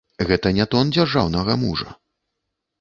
Гэта не тон дзяржаўнага мужа.